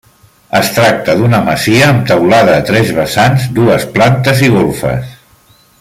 Es tracta d'una masia amb teulada a tres vessants, dues plantes i golfes.